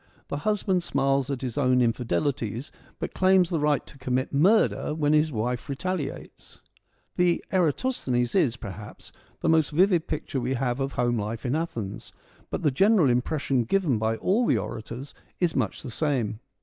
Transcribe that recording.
The husband smiles at his own infidelities, but claims the right to commit murder when his wife retaliates. The Eratosthenes is, perhaps, the most vivid picture we have of home life in Athens, but the general impression given by all the orators is much the same.